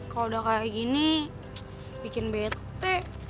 kalo udah kayak gini bikin bete